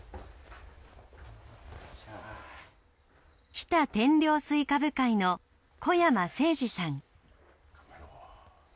日田天領西瓜部会の小山誠司さん。